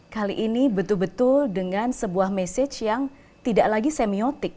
kali ini betul betul dengan sebuah message yang tidak lagi semiotik